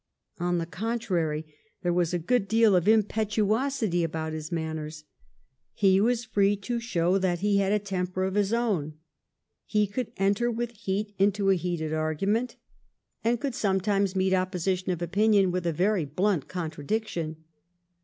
On the contrary there was a good deal of impetuosity about his manners ; he was free to show that he had a temper of his own ; he could enter with heat into a heated argument, and p2 68 THE REIGN OF QUEEN ANNE. ch. xxiv. could sometimes meet opposition of opinion with a very blunt contradiction.